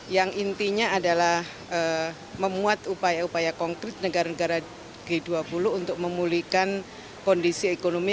yang intinya adalah memuat upaya upaya konkret negara negara g dua puluh untuk memulihkan kondisi ekonomi